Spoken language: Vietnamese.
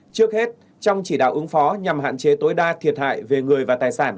trước hết trong chỉ đạo ứng phó nhằm hạn chế tối đa thiệt hại về người và tài sản